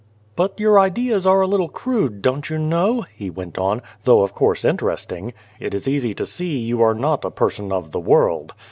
" But your ideas are a little crude, don't you know ?" he went on, " though of course interesting. It is easy to see you are not a person of the world.